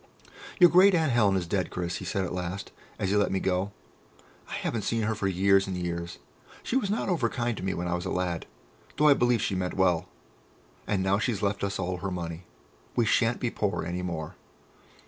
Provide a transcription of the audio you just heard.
"Your great aunt Helen is dead, Chris," he said at last, as he let me go. "I haven't seen her for years and years.... She was not over kind to me when I was a lad, though I believe she meant well.... And now she's left us all her money. We shan't be poor any more."